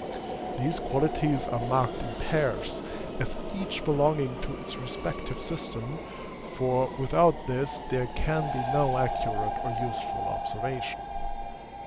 These qualities are marked in pairs, as each belonging to its respective system; for, without this, there can be no accurate or useful observation.